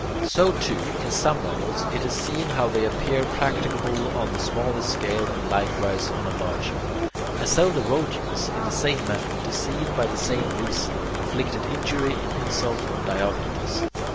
So too, in some models it is seen how they appear practicable on the smallest scale and likewise on a larger. And so the Rhodians, in the same manner, deceived by the same reasoning, inflicted injury and insult on Diognetus.